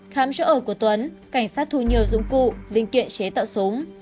khám chỗ ở của tuấn cảnh sát thu nhiều dụng cụ linh kiện chế tạo súng